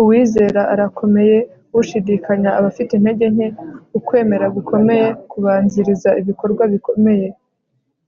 uwizera arakomeye; ushidikanya aba afite intege nke. ukwemera gukomeye kubanziriza ibikorwa bikomeye